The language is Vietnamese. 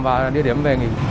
và địa điểm về nghỉ